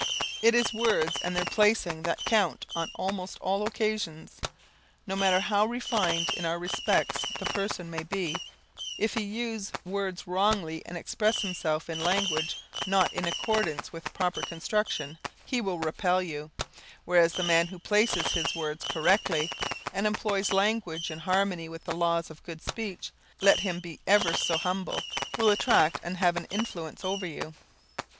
It is words and their placing that count on almost all occasions. No matter how refined in other respects the person may be, if he use words wrongly and express himself in language not in accordance with a proper construction, he will repel you, whereas the man who places his words correctly and employs language in harmony with the laws of good speech, let him be ever so humble, will attract and have an influence over you.